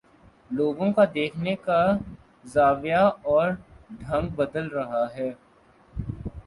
لوگوں کا دیکھنے کا زاویہ اور ڈھنگ بدل رہا ہے